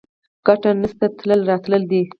ګټه نشته تله راتله دي